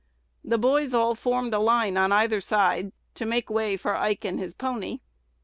The boys all formed a line on either side, to make way for Ike and his pony.